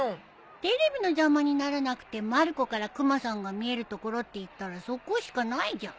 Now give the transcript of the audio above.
テレビの邪魔にならなくてまる子からクマさんが見える所って言ったらそこしかないじゃん。